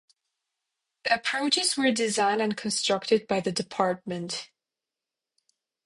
The approaches were designed and constructed by the Department.